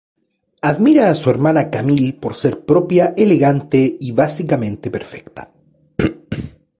Admira a su hermana Camille por ser propia, elegante y básicamente perfecta.